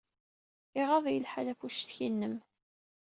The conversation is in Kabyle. Iɣaḍ-iyi lḥal ɣef uccetki-nnem.